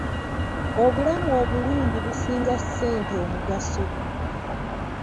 Obulamu obulungi businga ssente omugaso.